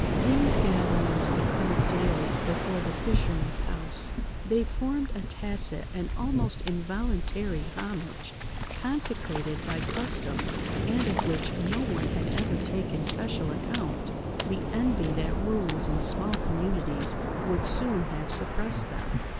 These gatherings occurred daily before the fisherman's house; they formed a tacit and almost involuntary homage, consecrated by custom, and of which no one had ever taken special account; the envy that rules in small communities would soon have suppressed them.